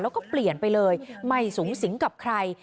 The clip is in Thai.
แล้วก็เปลี่ยนไปเลยไม่สูงสิงกับใคร